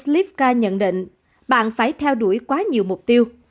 slipk nhận định bạn phải theo đuổi quá nhiều mục tiêu